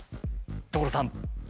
所さん！